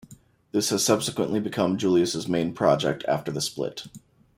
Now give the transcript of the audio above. This has subsequently become Julius' main project after the split.